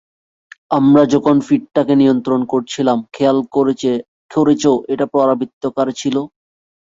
আমরা যখন ফিডটাকে নিয়ন্ত্রণ করছিলাম, খেয়াল করেছ এটা পরাবৃত্তাকার ছিল?